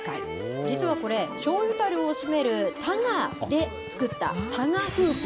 実はこれ、しょうゆたるを締めるタガで作った、タガフープ。